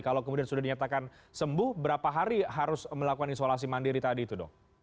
kalau kemudian sudah dinyatakan sembuh berapa hari harus melakukan isolasi mandiri tadi itu dok